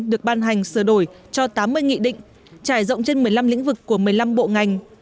được ban hành sửa đổi cho tám mươi nghị định trải rộng trên một mươi năm lĩnh vực của một mươi năm bộ ngành